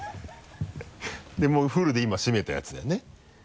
でもうフルで今閉めたやつだよね？